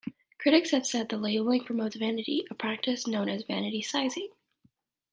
Critics have said the labeling promotes vanity, a practice known as vanity sizing.